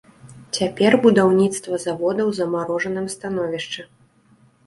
Цяпер будаўніцтва завода ў замарожаным становішчы.